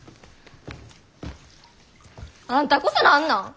あんたこそ何なん！？